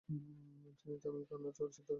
তিনি তামিল এবং কান্নাড় চলচ্চিত্রেও কণ্ঠ দিয়েছেন।